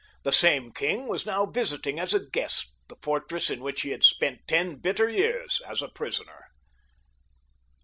The same king was now visiting as a guest the fortress in which he had spent ten bitter years as a prisoner.